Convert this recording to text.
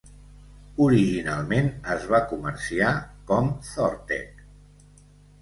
Originalment es va comerciar com Thortec.